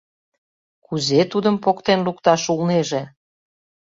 Кузе Тудым поктен лукташ улнеже?..